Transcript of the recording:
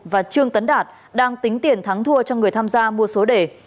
và trương tấn đạt đang tính tiền thắng thua cho người tham gia mua số đề